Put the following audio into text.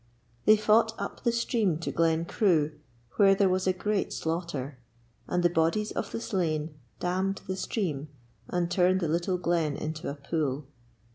They fought up the stream to Glen Crew where there was a great slaughter, and the bodies of the slain dammed the stream and turned the little glen into a pool.